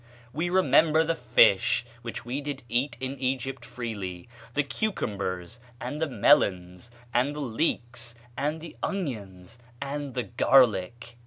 We remember the fish which we did eat in Egypt freely; the cucumbers, and the melons, and the leeks, and the onions, and the garlic."